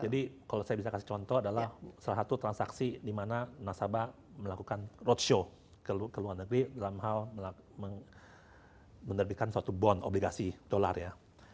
jadi kalau saya bisa kasih contoh adalah salah satu transaksi dimana nasabah melakukan roadshow ke luar negeri dalam hal menerbitkan suatu bond obligasi dolar ya